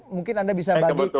mungkin anda bisa bagi kepada kita